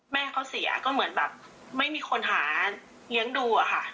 แม่เขาเสียก็เหมือนแบบไม่มีคนหาเลี้ยงดูอะค่ะ